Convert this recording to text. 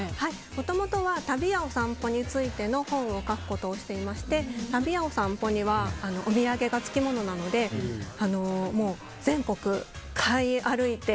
もともとは旅や散歩についての本を書くことをしていまして旅や散歩にはお土産がつきものなので全国買い歩いて。